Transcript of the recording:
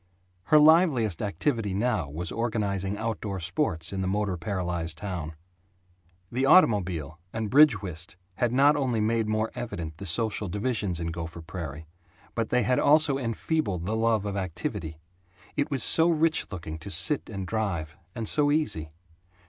Her liveliest activity now was organizing outdoor sports in the motor paralyzed town. The automobile and bridge whist had not only made more evident the social divisions in Gopher Prairie but they had also enfeebled the love of activity. It was so rich looking to sit and drive and so easy.